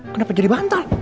kenapa jadi bantal